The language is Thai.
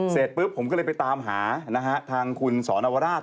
เสร็จปุ๊บผมก็เลยไปตามหานะฮะทางคุณสอนวราช